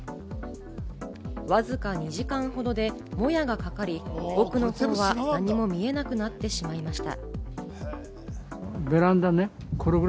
わずか２時間ほどで、もやがかかり、奥の景色は何も見えなくなってしまいました。